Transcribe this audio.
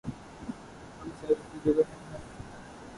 ہر مسئلہ اپنی جگہ اہم ہے۔